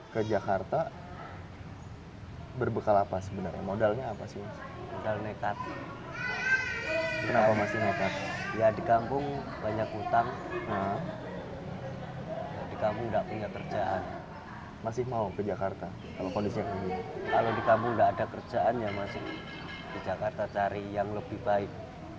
di jakarta cari yang lebih baik